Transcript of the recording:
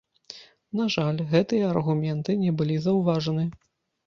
На жаль, гэтыя аргументы не былі заўважаны.